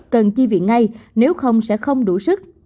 cần chi viện ngay nếu không sẽ không đủ sức